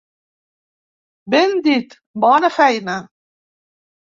Ben dit! Bona feina.